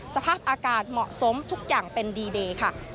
สภาพอากาศเหมาะสมทุกอย่างเป็นดีเดย์ค่ะ